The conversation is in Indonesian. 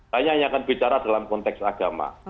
saya hanya akan bicara dalam konteks agama